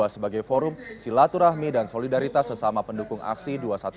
sebagai forum silaturahmi dan solidaritas sesama pendukung aksi dua ratus dua belas